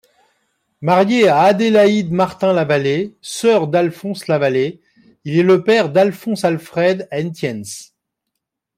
Marié à Adélaïde Martin-Lavallée, sœur d'Alphonse Lavallée, il est le père d'Alphonse-Alfred Haentjens.